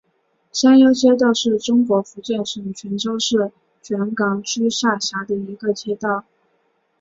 山腰街道是中国福建省泉州市泉港区下辖的一个街道。